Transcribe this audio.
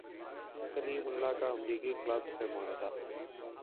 کلیم اللہ کا امریکی کلب سے معاہدہ